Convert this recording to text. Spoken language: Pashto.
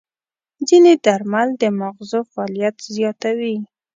ځینې درمل د ماغزو فعالیت زیاتوي.